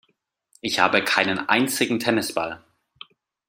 Ich habe keinen einzigen Tennisball.